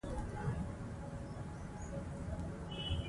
استاد ته په هره پرمختللي ټولنه کي د درناوي په سترګه کتل کيږي.